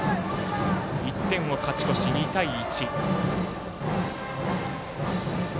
１点を勝ち越し、２対１。